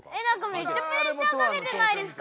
・めっちゃプレッシャーかけてないですか？